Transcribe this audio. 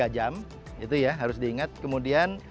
tiga jam itu ya harus diingat kemudian